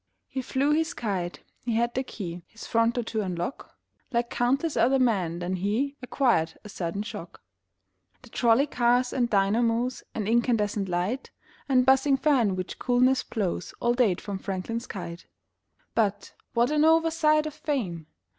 He flew his kite; he had the key His front door to unlock Like countless other men, then he Acquired a sudden shock. The trolley cars and dynamos And incandescent light And buzzing fan which coolness blows All date from Franklin's kite. But, what an oversight of Fame!